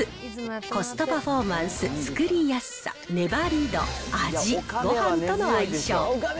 コストパフォーマンス、作りやすさ、粘り度、味、ごはんとの相性。